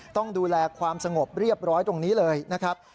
ต้องดูแลความสงบเรียบร้อยตรงนี้เลยนะครับ